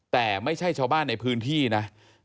แต่ไม่ใช่ชาวบ้านในพื้นที่นะ